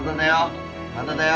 まだだよ。